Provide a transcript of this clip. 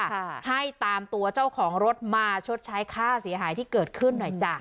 ค่ะให้ตามตัวเจ้าของรถมาชดใช้ค่าเสียหายที่เกิดขึ้นหน่อยจ้ะ